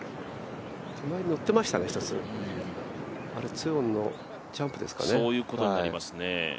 手前に乗ってましたね、１つ２オン、チャンプですかね。